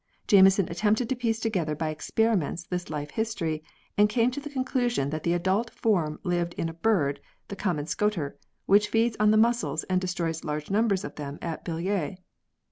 Jameson attempted to piece together by experiments this life history, and came to the conclusion that the adult form lived in a bird, the common Scoter, which feeds on the mussels and destroys large numbers of them at Billiers.